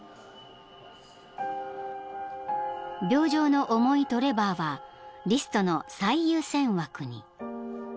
［病状の重いトレバーはリストの最優先枠に］